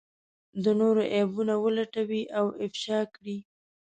د نورو عيبونه ولټوي او افشا کړي.